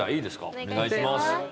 お願いします。